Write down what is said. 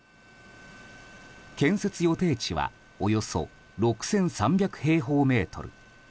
建設予定地はおよそ６３００平方メートル。